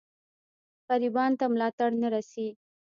غریبانو ته ملاتړ نه رسي.